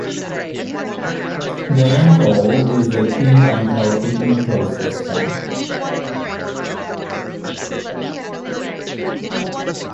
Their goal is A clean and healthy ecosystem.